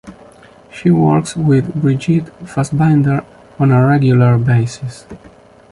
She works with Brigitte Fassbaender on a regular basis.